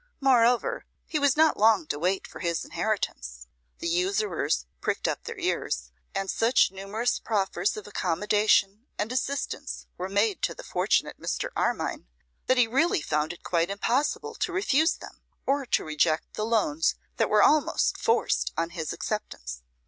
Moreover, he was not long to wait for his inheritance. The usurers pricked up their ears, and such numerous proffers of accommodation and assistance were made to the fortunate Mr. Armine, that he really found it quite impossible to refuse them, or to reject the loans that were almost forced on his acceptance.